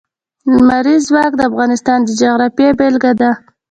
لمریز ځواک د افغانستان د جغرافیې بېلګه ده.